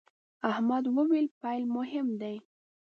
احمد وويل: پیل مهم دی.